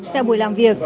tại buổi làm việc